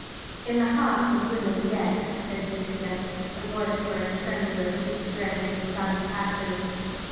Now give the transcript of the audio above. "In the hearts of women, yes!" said Ziska, her voice growing tremulous with strange and sudden passion.